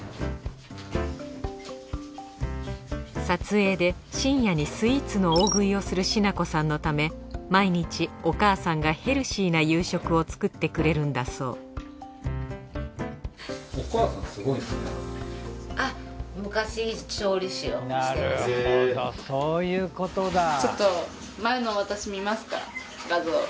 撮影で深夜にスイーツの大食いをするしなこさんのため毎日お母さんがヘルシーな夕食を作ってくれるんだそう画像。